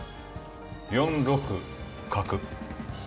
４六角。